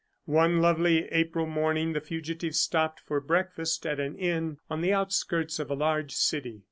One lovely April morning the fugitives stopped for breakfast at an inn on the outskirts of a large city.